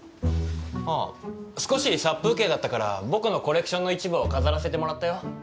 ああ少し殺風景だったから僕のコレクションの一部を飾らせてもらったよ。